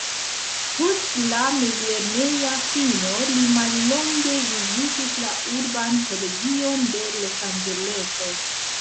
Post la mezlerneja fino li mallonge vizitis la urban kolegion de Los-Anĝeleso.